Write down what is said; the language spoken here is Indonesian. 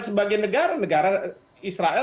sebagai negara negara israel